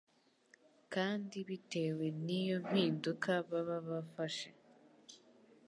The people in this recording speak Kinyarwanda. kandi bitewe n’iyo mpinduka baba bafashe,